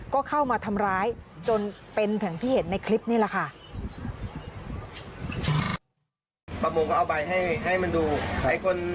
ก็เข้ามาทำร้ายจนเป็นอย่างที่เห็นในคลิปนี่แหละค่ะ